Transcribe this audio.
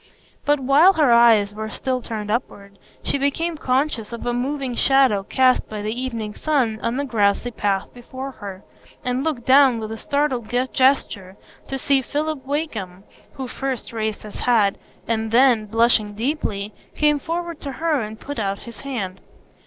But while her eyes were still turned upward, she became conscious of a moving shadow cast by the evening sun on the grassy path before her, and looked down with a startled gesture to see Philip Wakem, who first raised his hat, and then, blushing deeply, came forward to her and put out his hand.